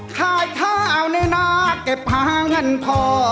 ขายเท้าในหน้าเก็บพางันพอ